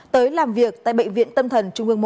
tới làm việc tại bệnh viện tâm thần trung ương một